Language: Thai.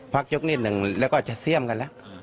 ยกนิดหนึ่งแล้วก็จะเสี่ยมกันแล้ว